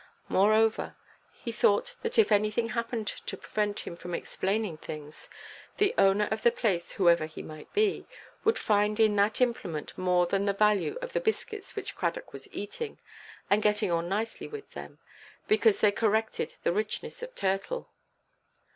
Moreover, he thought that if anything happened to prevent him from explaining things, the owner of the place, whoever he might be, would find in that implement more than the value of the biscuits which Cradock was eating, and getting on nicely with them, because they corrected the richness of turtle.